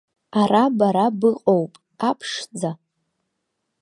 Ара бара быҟоуп, аԥшӡа!